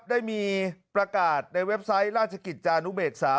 ได้มีประกาศในเว็บไซต์ราชกิจจานุเบกษา